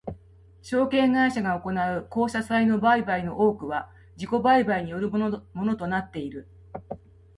証券会社が行う公社債の売買の多くは自己売買によるものとなっている。